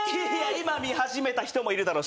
今見始めた人もいるだろう